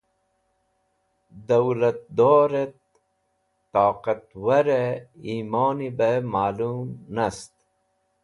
Dowlatdorẽt toqtwarẽ yimoni be malum nast.